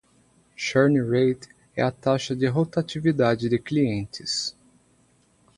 Churn Rate é a taxa de rotatividade de clientes.